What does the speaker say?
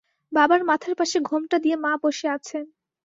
বাবার মাথার পাশে ঘোমটা দিয়ে মা বসে আছেন।